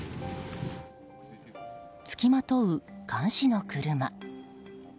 付きまとう監視の車。